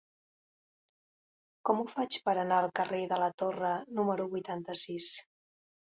Com ho faig per anar al carrer de la Torre número vuitanta-sis?